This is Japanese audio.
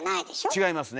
違いますね